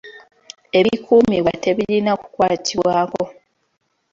Ebikuumibwa tebirina kukwatibwako.